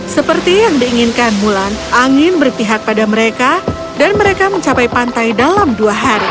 seperti yang diinginkanmu